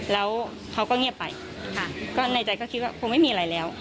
แล้วเขาก็เงียบไปค่ะก็ในใจก็คิดว่าคงไม่มีอะไรแล้ว